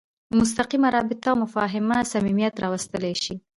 مستقیمه رابطه او مفاهمه صمیمیت راوستلی شي.